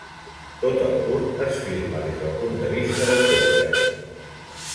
Tot el curt es filma des del punt de vista del cotxe.